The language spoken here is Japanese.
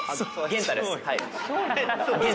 元太です。